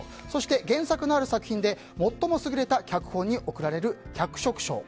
そして、原作のある作品で最も優れた脚本に贈られる脚色賞